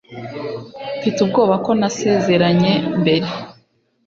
Mfite ubwoba ko nasezeranye mbere.